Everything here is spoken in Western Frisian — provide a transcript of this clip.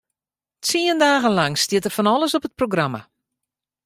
Tsien dagen lang stiet der fan alles op it programma.